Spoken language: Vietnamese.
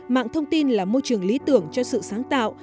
mạng thông tin là môi trường lý tưởng cho sự sáng tạo